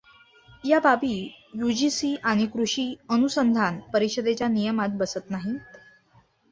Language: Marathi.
या बाबी यूजीसी आणि कृषी अनुसंधान परिषदेच्या नियमात बसत नाहीत.